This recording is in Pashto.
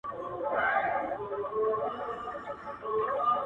زه دي لکه سیوری درسره یمه پل نه لرم!